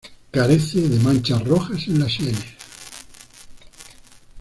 Carece de manchas rojas en las sienes.